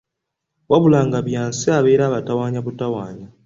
Wabula nga Byansi abeera abatawaanya butawaannyi.